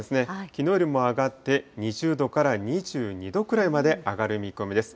きのうよりも上がって、２０度から２２度くらいまで上がる見込みです。